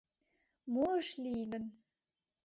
Мо ыш лий гын!